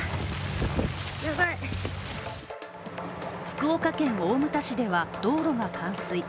福岡県大牟田市では、道路が冠水。